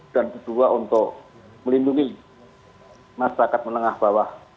dan kedua untuk melindungi masyarakat menengah bawah